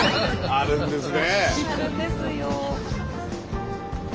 あるんですよ。